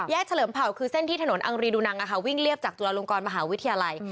เฉลิมเผ่าคือเส้นที่ถนนอังรีดูนังวิ่งเรียบจากจุฬาลงกรมหาวิทยาลัย